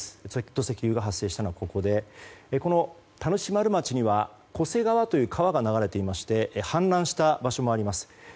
土石流が発生したのはここでこの田主丸町には巨瀬川という川が流れていまして氾濫した場所もあります。